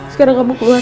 sekarang kamu keluar